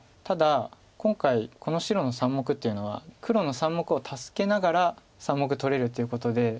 ただ今回この白の３目というのは黒の３目を助けながら３目取れるということで。